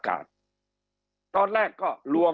คำอภิปรายของสอสอพักเก้าไกลคนหนึ่ง